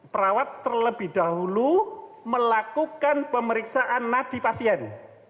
perawat terlebih dahulu melakukan pemeriksaan nadipasien